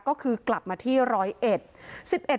ก็คือกลับมาที่ร้อยเอ็ด